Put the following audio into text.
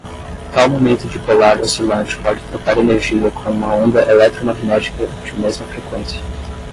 Tal momento dipolar oscilante pode trocar energia com uma onda eletromagnética de mesma freqüência.